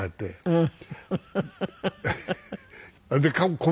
うん。